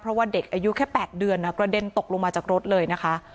เพราะว่าเด็กอายุแค่๘เดือนกระเด็นตกลงมาจากรถเลยนะคะ